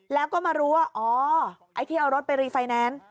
แล้วก็มารู้ว่าอ๋อไอ้ที่เอารถไปรีไฟแนนซ์